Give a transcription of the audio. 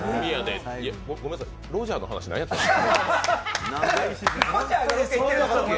ごめんなさい、ロジャーの話何やったんですか？